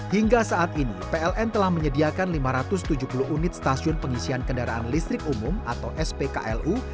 hingga saat ini pln telah menyediakan lima ratus tujuh puluh unit stasiun pengisian kendaraan listrik umum atau spklu